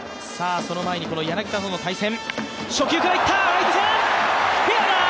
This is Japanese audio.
その前にこの柳田との対戦。